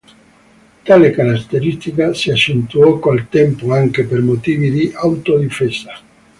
Tale caratteristica si accentuò col tempo anche per motivi di autodifesa.